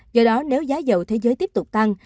do đó nếu giá dầu thế giới tiếp tục tăng